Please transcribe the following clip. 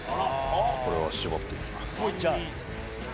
これを搾っていきます